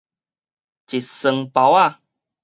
一床包仔